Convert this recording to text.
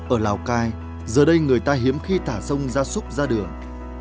ở lào cai giờ đây người ta hiếm khi thả sông gia súc ra đường